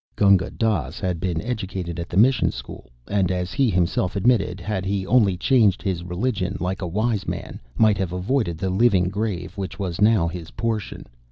Gunga Dass had been educated at a Mission School, and, as he himself admitted, had he only changed his religion "like a wise man," might have avoided the living grave which was now his portion.